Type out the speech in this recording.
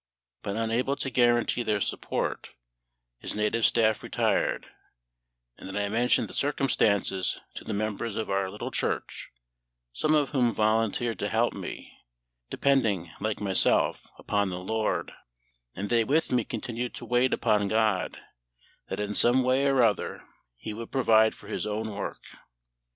Being unable to guarantee their support, his native staff retired; and then I mentioned the circumstances to the members of our little church, some of whom volunteered to help me, depending, like myself, upon the LORD; and they with me continued to wait upon GOD that in some way or other He would provide for His own work.